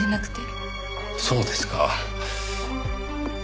そうですか。